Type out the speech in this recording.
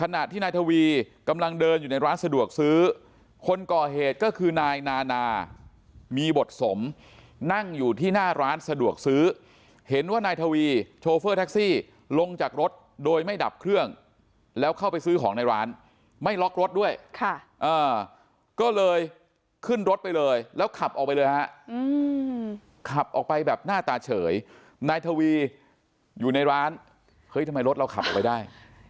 ขณะที่นายทวีกำลังเดินอยู่ในร้านสะดวกซื้อคนก่อเหตุก็คือนายนานามีบทสมนั่งอยู่ที่หน้าร้านสะดวกซื้อเห็นว่านายทวีโชเฟอร์แท็กซี่ลงจากรถโดยไม่ดับเครื่องแล้วเข้าไปซื้อของในร้านไม่ล็อกรถด้วยก็เลยขึ้นรถไปเลยแล้วขับออกไปเลยฮะขับออกไปแบบหน้าตาเฉยนายทวีอยู่ในร้านเฮ้ยทำไมรถเราขับออกไปได้